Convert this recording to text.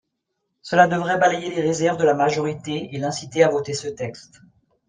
Cela devrait balayer les réserves de la majorité et l’inciter à voter ce texte.